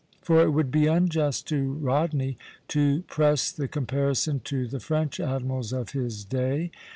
For it would be unjust to Rodney to press the comparison to the French admirals of his day.